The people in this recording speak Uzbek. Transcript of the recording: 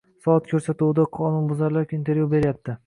-soat ko'rsatuvida qonunbuzar intervyu beryapti